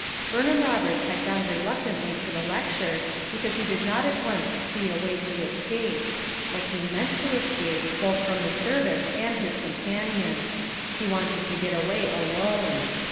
Burnham Eoberts had gone reluctantly to the lecture, because he did not at once see a way to escape; but he meant to escape, both from the service and his companion; he wanted to IOC) UU MOTIIMUM AT CHAUTAUQUA :i5» got away a loin*.